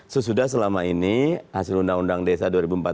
sesudah selama ini hasil undang undang desa dua ribu empat belas